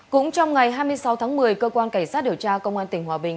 cũng trong ngày hai mươi sáu tháng một mươi cơ quan cảnh sát điều tra công an tỉnh hòa bình